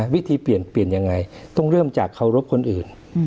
วิธีเปลี่ยนเปลี่ยนยังไงต้องเริ่มจากเคารพคนอื่น